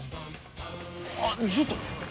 あっちょっと！